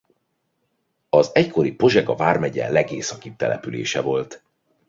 Az egykori Pozsega vármegye legészakibb települése volt.